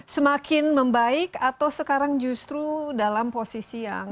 semakin membaik atau sekarang justru dalam posisi yang